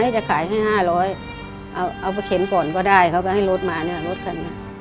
จะขายให้๕๐๐เอาไปเข็นก่อนก็ได้เขาก็ระบาดมา